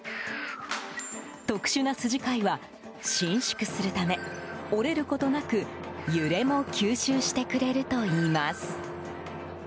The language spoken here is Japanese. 特殊な筋交いは伸縮するため折れることなく揺れも吸収してくれるといいます。